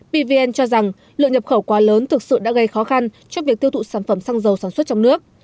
pvn cho rằng lượng nhập khẩu quá lớn thực sự đã gây khó khăn trong việc tiêu thụ sản phẩm xăng dầu sản xuất trong nước